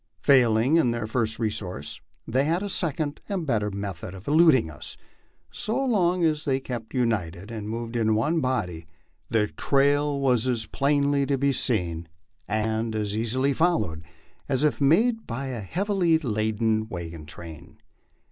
Failing in their first resource, they had a second and better method of eluding us. So long as they kept united and moved in one body, their trail was as plainly to be seen and as easily followed as if made by a heavily laden wagon train.